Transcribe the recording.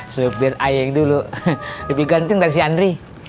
supir ayah yang dulu lebih ganteng dari si andri